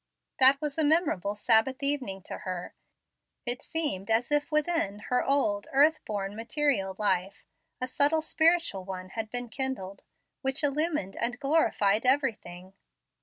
That was a memorable Sabbath evening to her. It seemed as if within her old, earth born, material life, a subtile spiritual one had been kindled, which illumined and glorified everything.